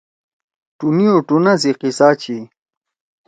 ٹُونی او ٹُونا سی قصّہ چھی :